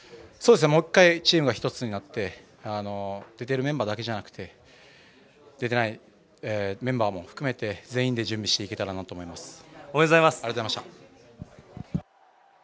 もう１回チームが１つになって出てるメンバーだけじゃなくて出てないメンバーも含めて全員でおめでとうございます。